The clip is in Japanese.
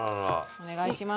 お願いします。